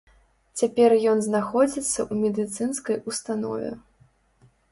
Цяпер ён знаходзіцца ў медыцынскай установе.